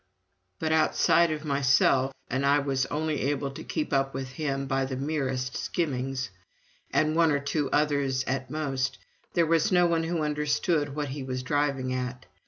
But outside of myself, and I was only able to keep up with him by the merest skimmings, and one or two others at most, there was no one who understood what he was driving at.